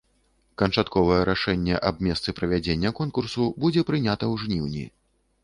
Канчатковае рашэнне аб месцы правядзення конкурсу будзе прынята ў жніўні.